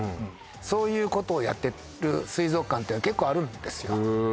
そういうことをやってる水族館っていうのは結構あるんですよ